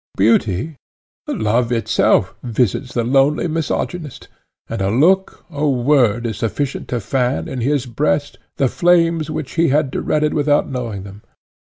Beauty, love itself visits the lonely mysogunist, and a look, a word, is sufficient to fan, in his breast, the flames which he had dreaded without knowing them.